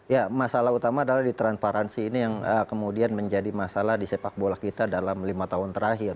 ya masalah utama adalah di transparansi ini yang kemudian menjadi masalah di sepak bola kita dalam lima tahun terakhir